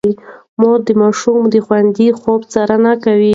مور د ماشوم د خوندي خوب څارنه کوي.